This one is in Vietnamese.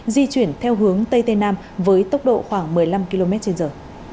di chuyển theo hướng tây tây nam với tốc độ khoảng một mươi năm km trên giờ